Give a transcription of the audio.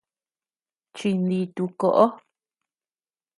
Chinditu koʼo.